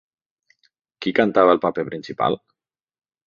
Qui cantava el paper principal?